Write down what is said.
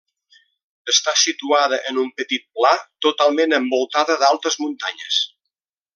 Està situada en un petit pla, totalment envoltada d'altes muntanyes.